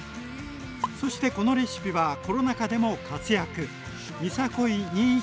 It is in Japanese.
そしてこのレシピはコロナ禍でも活躍！